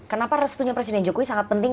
kenapa restunya presiden jokowi sangat penting